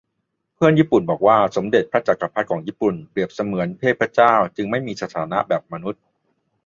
เพื่อนญี่ปุ่นบอกว่าสมเด็จพระจักรพรรดิของญี่ปุ่นเปรียบเสมือนเทพเจ้า จึงไม่มีสถานะแบบมนุษย์